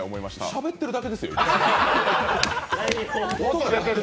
しゃべってるだけですよ今。